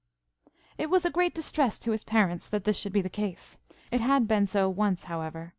It was a great distress to his parents that this should be the case–it had been so once, however.